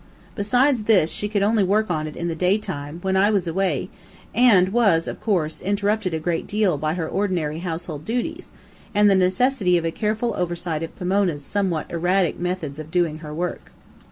Besides this, she could only work on it in the daytime when I was away and was, of course, interrupted a great deal by her ordinary household duties, and the necessity of a careful oversight of Pomona's somewhat erratic methods of doing her work.